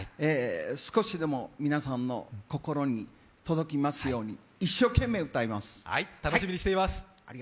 少しでも皆さんの心に届きますように、楽しみにしています。